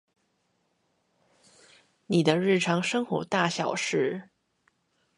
你的日常生活大小事